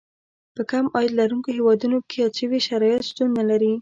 په کم عاید لرونکو هېوادونو کې یاد شوي شرایط شتون نه لري.